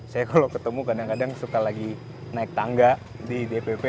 saya kalau ketemu kadang kadang suka lagi naik tangga di dpp